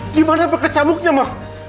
di mana berkecamuknya ma